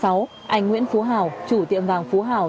anh nguyễn phú hảo chủ tiệm vàng phú hảo